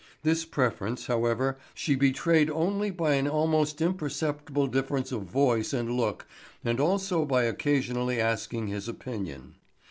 This preference, however, she betrayed only by an almost imperceptible difference of voice and look and also by occasionally asking his opinion.